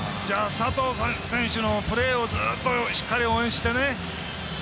佐藤選手のプレーをずっとしっかり応援してね。